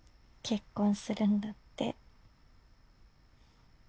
結婚するんだって。